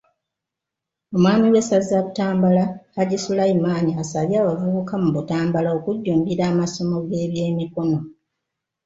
Omwami w'essaza Butambala, Hajji Sulaiman asabye abavubuka mu Butambala okujjumbira amasomo g'ebyemikono.